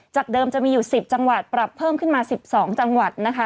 เดิมจะมีอยู่๑๐จังหวัดปรับเพิ่มขึ้นมา๑๒จังหวัดนะคะ